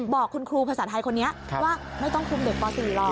บอกคุณครูภาษาไทยคนนี้ว่าไม่ต้องคุมเด็กป๔หรอก